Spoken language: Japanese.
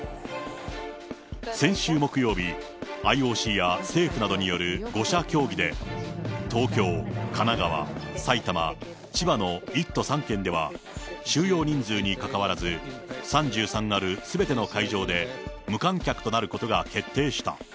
先週木曜日、ＩＯＣや政府などによる５者協議で、東京、神奈川、埼玉、千葉の１都３県では、収容人数にかかわらず、３３あるすべての会場で無観客となることが決定した。